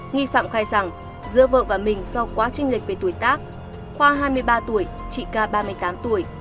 nghi phạm khai rằng giữa vợ và mình do quá trình lệch về tuổi tác khoa hai mươi ba tuổi chị ca ba mươi tám tuổi